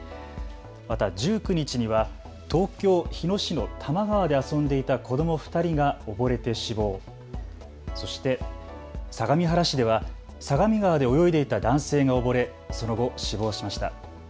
また１９日には東京日野市の多摩川で遊んでいた子ども２人が溺れて死亡、そして相模原市では相模川で泳いでた男性が溺れその後、死亡しました。